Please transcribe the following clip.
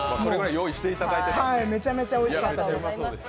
めちゃめちゃおいしかったです。